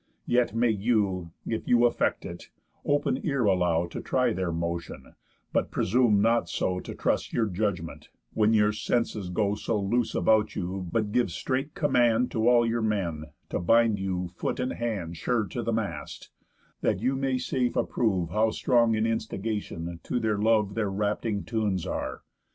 Yet may you, If you affect it, open ear allow To try their motion; but presume not so To trust your judgment, when your senses go So loose about you, but give strait command To all your men, to bind you foot and hand Sure to the mast, that you may safe approve How strong in instigation to their love Their rapting tunes are.